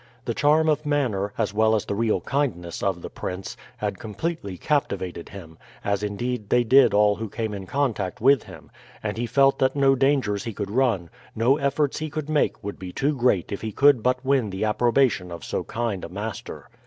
The charm of manner, as well as the real kindness of the prince, had completely captivated him, as indeed they did all who came in contact with him, and he felt that no dangers he could run, no efforts he could make would be too great if he could but win the approbation of so kind a master.